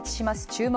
「注目！